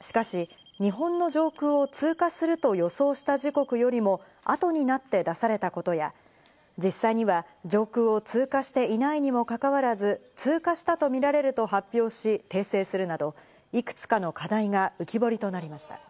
しかし日本の上空を通過すると予想した時刻よりも後になって出されたことや、実際には上空を通過していないにもかかわらず、通過したとみられると発表し、訂正するなど、いくつかの課題が浮き彫りとなりました。